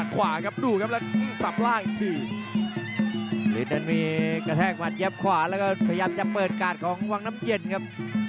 ภูมิดนั้นมีกระแทกหมัดเย็บขวาแล้วก็พยายามเย็บเปิดกาดของวังน้ำเย็นครับ